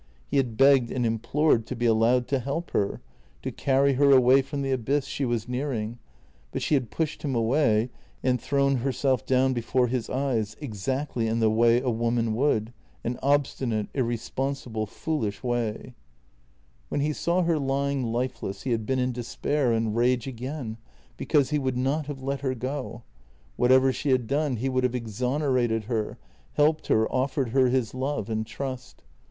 He had begged and implored to be allowed to help her, to carry her away from the abyss she w T as nearing, but she had pushed him away and thrown herself down before his eyes — exactly in the way a woman would — an obstinate, irresponsible, foolish way. JENNY 299 When he saw her lying lifeless he had been in despair and rage again, because he would not have let her go. Whatever she had done he would have exonerated her, helped her, offered her his love and trust.